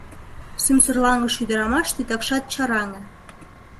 Сӱмсырланыше ӱмыраш титакшат чараҥе.